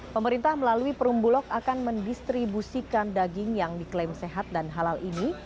pemerintah melalui perumbulok akan mendistribusikan daging yang diklaim sehat dan halal ini